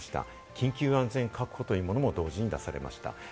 緊急安全確保というものも同時に出されました。